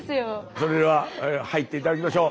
それでは入って頂きましょう。